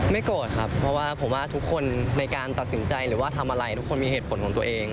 โกรธครับเพราะว่าผมว่าทุกคนในการตัดสินใจหรือว่าทำอะไรทุกคนมีเหตุผลของตัวเอง